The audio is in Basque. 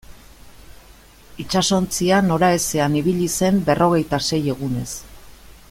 Itsasontzia noraezean ibili zen berrogeita sei egunez.